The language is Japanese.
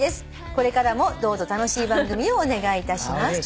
「これからもどうぞ楽しい番組をお願いいたします」